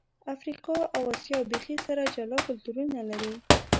افریقا او آسیا بیخي سره جلا کلتورونه لري.